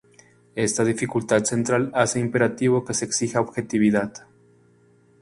Esta dificultad central hace imperativo que se exija objetividad.